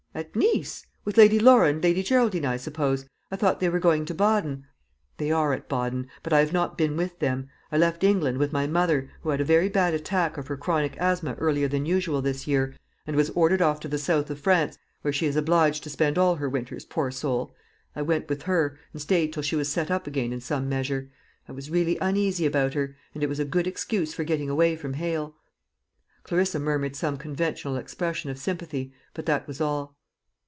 "At Nice! with Lady Laura and Lady Geraldine, I suppose, I thought they were going to Baden." "They are at Baden; but I have not been with them. I left England with my mother, who had a very bad attack of her chronic asthma earlier than usual this year, and was ordered off to the South of France, where she is obliged to spend all her winters, poor soul. I went with her, and stayed till she was set up again in some measure. I was really uneasy about her; and it was a good excuse for getting away from Hale." Clarissa murmured some conventional expression of sympathy, but that was all.